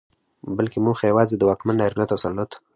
بلکې موخه يواځې د واکمن نارينه تسلط